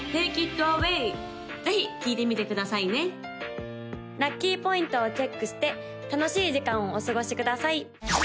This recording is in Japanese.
ぜひ聴いてみてくださいね・ラッキーポイントをチェックして楽しい時間をお過ごしください！